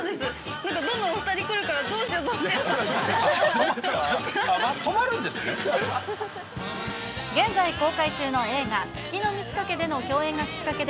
なんかどんどんお２人来るから、どうしようどうしようと思って。